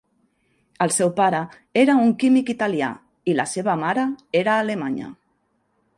El seu pare era un químic italià, i la seva mare era alemanya.